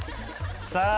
さあ